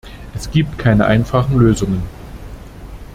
Es gibt keine einfachen Lösungen.